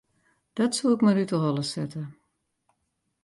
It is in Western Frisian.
Dat soe ik mar út 'e holle sette.